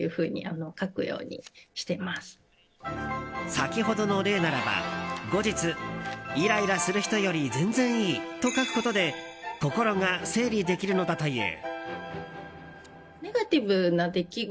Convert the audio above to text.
先ほどの例ならば、後日イライラする人より全然いいと書くことで心が整理できるのだという。